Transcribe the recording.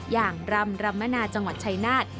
อย่างรำรำมนาจังหวัดชายนาฏ